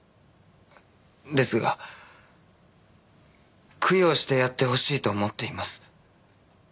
ですが供養してやってほしいと思っています。